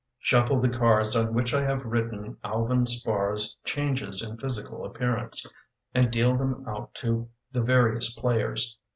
" Shuffle the cards on which I have written Alvin Spar's changes in physical appearance, And deal them out to the various players.